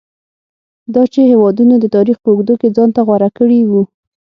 دا چې هېوادونو د تاریخ په اوږدو کې ځان ته غوره کړي وو.